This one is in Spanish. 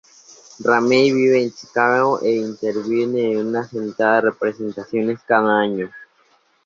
Ramey vive en Chicago e interviene en unas setenta representaciones cada año.